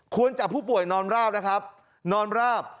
ควรจับผู้ป่วยนอนราบ